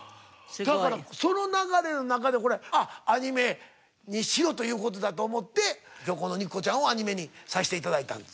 だからその流れの中でこれアニメにしろという事だと思って『漁港の肉子ちゃん』をアニメにさせて頂いたんです。